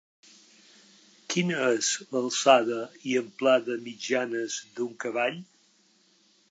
Quina és l'alçada i amplada mitjanes d'un cavall?